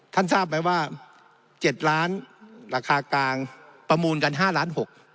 ทราบไหมว่า๗ล้านราคากลางประมูลกัน๕ล้าน๖